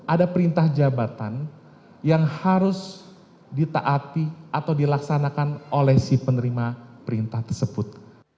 ada perintah jabatan yang harus ditaati atau dilaksanakan oleh si penerima perintah tersebut